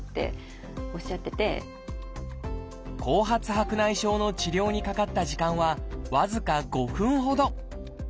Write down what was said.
白内障の治療にかかった時間は僅か５分ほど。